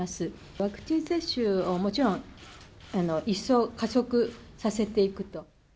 ワクチン接種をもちろん一層加速させていくと。